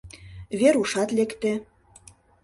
Верушат лекте.